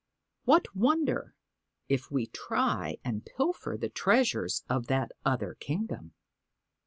What wonder if we try and pilfer the treasures of that other kingdom